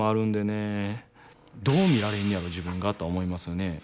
どう見られんねやろ自分がとは思いますよね。